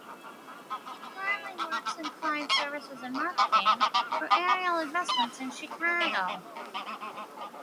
He currently works in client services and marketing for Ariel Investments, in Chicago.